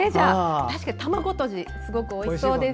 確かに卵とじもすごくおいしそうです。